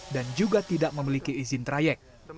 dan juga tidak memiliki izin trayek